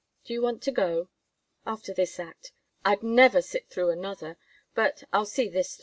Do you want to go?" "After this act. I'd never sit through another; but I'll see this through."